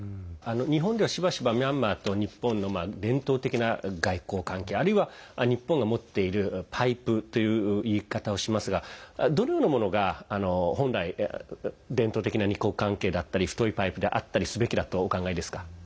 日本では、しばしばミャンマーと日本の伝統的な外交関係あるいは日本が持っているパイプといういい方をしますがどのようなものが本来伝統的な二国関係だったり太いパイプであったりすべきだとお考えですか？